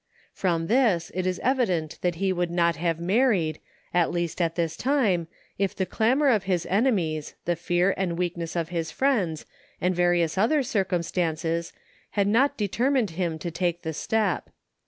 From this it is evident that he would not have married, at least at this time, if the clamor of his enemies, the fear and weakness of his friends, and various other circumstances, had not determined him to take the step.